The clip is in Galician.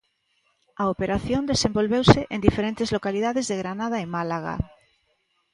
A operación desenvolveuse en diferentes localidades de Granada e Málaga.